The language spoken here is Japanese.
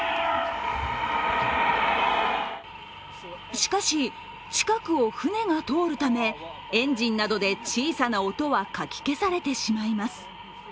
しかし、近くを船が通るため、エンジンなどで小さな音はかき消されてしまいます。